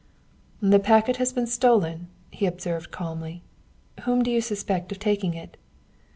"The packet has been stolen," he observed calmly; "whom do you suspect of taking it?"